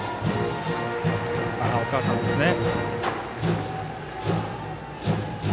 お母さんですね。